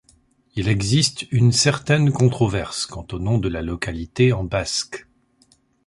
Il existe une certaine controverse quant au nom de la localité en basque.